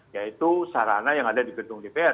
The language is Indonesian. yaitu sarana yang ada di gedung dpr